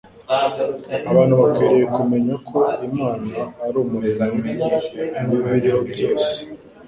Abantu bakwiriye kumenya ko Imana ari Umuremyi w'ibiriho byose,